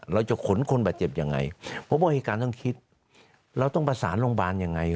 เราจะขนคนบาดเจ็บยังไงผมว่าเหตุการณ์ต้องคิดเราต้องประสานโรงพยาบาลยังไง